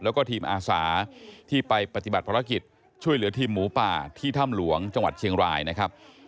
แล้วก็ทีมอาสาที่ไปปฏิบัติภารกิจช่วยเหลือทีมหมูป่าที่ถ้ำหลวงจังหวัดเชียงรายนะครับ